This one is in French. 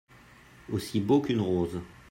Aussi beau qu'une rose.